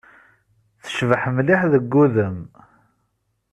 Tecbeḥ mliḥ deg wudem.